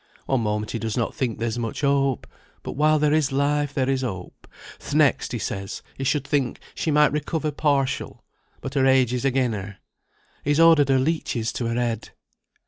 One moment he does not think there's much hope but while there is life there is hope; th' next he says he should think she might recover partial, but her age is again her. He's ordered her leeches to her head."